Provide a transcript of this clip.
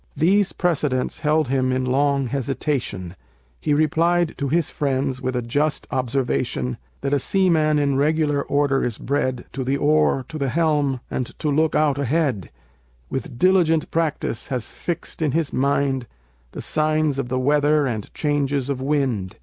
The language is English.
These precedents held him in long hesitation; He replied to his friends, with a just observation, "That a seaman in regular order is bred To the oar, to the helm, and to look out ahead; With diligent practice has fixed in his mind The signs of the weather, and changes of wind.